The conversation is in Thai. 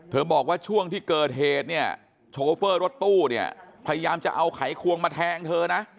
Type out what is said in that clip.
เธอบอกว่าช่วงที่เกิดเหตุโชฟ่รถตู้พยายามจะเอาไขควงมาแทงเธอนะ